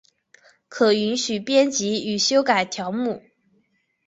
可允许编辑与修改条目。